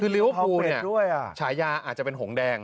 ลิเวอร์พูลเนี่ยฉายาอาจจะเป็นหงแดง